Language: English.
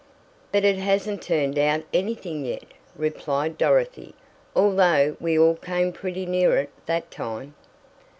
"But it hasn't turned out anything yet," replied Dorothy, "although we all came pretty near it that time."